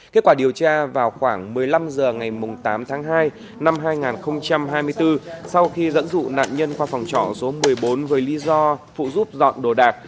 kết quả điều tra vào khoảng một mươi năm h ngày tám tháng hai năm hai nghìn hai mươi bốn sau khi dẫn dụ nạn nhân qua phòng trọ số một mươi bốn với lý do phụ giúp dọn đồ đạc